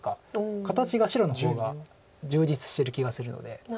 形が白の方が充実してる気がするので。